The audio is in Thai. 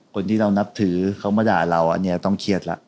คนที่เรานับถือเขามาด่าเราอันนี้ต้องเครียดแล้ว